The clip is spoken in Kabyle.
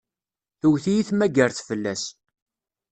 Tewwet-iyi tmaggart fell-as.